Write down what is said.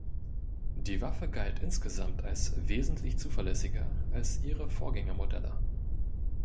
Die Waffe galt insgesamt als wesentlich zuverlässiger als ihre Vorgängermodelle.